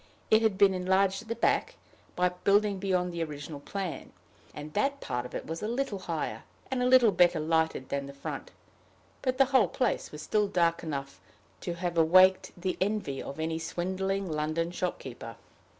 It had been enlarged at the back, by building beyond the original plan, and that part of it was a little higher, and a little better lighted than the front; but the whole place was still dark enough to have awaked the envy of any swindling London shopkeeper.